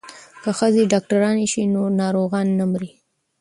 که ښځې ډاکټرانې شي نو ناروغانې نه مري.